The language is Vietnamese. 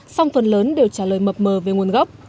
song phần lớn đều trả lời mập mờ về nguồn gốc